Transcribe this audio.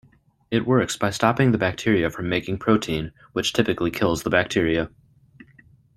It works by stopping the bacteria from making protein, which typically kills the bacteria.